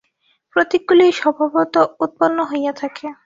প্রতীকগুলি স্বভাবত উৎপন্ন হইয়া থাকে।